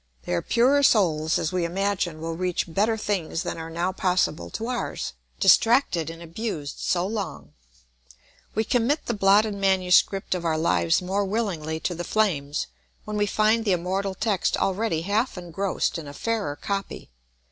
Their purer souls, as we imagine, will reach better things than are now possible to ours, distracted and abused so long. We commit the blotted manuscript of our lives more willingly to the flames, when we find the immortal text already half engrossed in a fairer copy.